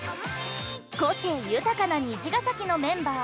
個性豊かな虹ヶ咲のメンバー。